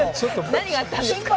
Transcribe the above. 何があったんですか？